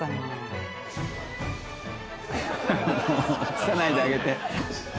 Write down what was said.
映さないであげて。